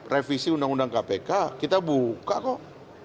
revisi undang undang kpk kita buka kok